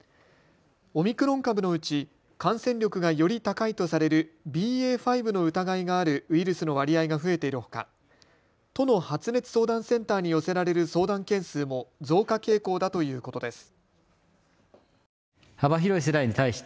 オミクロン株のうち感染力がより高いとされるＢＡ．５の疑いがあるウイルスの割合が増えているほか都の発熱相談センターに寄せられる相談件数も増加傾向だということです。